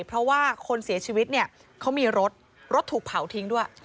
เพราะว่าคนเสียชีวิตเนี่ยเขามีรถรถถูกเผาทิ้งด้วย